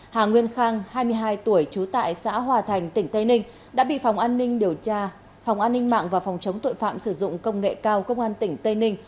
hà nguyên khang hai mươi hai tuổi trú tại xã hòa thành tỉnh tây ninh đã bị phòng an ninh điều tra phòng an ninh mạng và phòng chống tội phạm sử dụng công nghệ cao công an tỉnh tây ninh